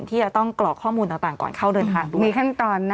ที่จะต้องกรอกข้อมูลต่างก่อนเข้าเดินทางด้วยมีขั้นตอนนะ